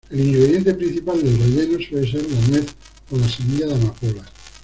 El ingrediente principal del relleno suele ser la nuez o la semilla de amapola.